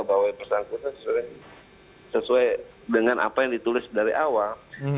bahwa yang bersangkutan sesuai dengan apa yang ditulis dari awal